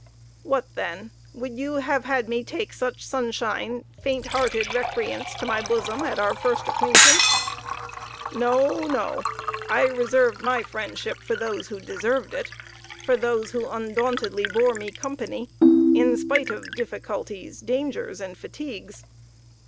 What, then! would you have had me take such sunshine, faint hearted recreants to my bosom at our first acquaintance? No no; I reserved my friendship for those who deserved it, for those who undauntedly bore me company, in despite of difficulties, dangers, and fatigues.